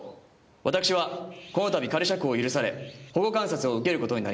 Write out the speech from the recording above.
「私はこの度仮釈放を許され保護観察を受けることになりました」